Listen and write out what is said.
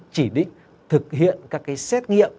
chỉ định thực hiện các cái xét nghiệm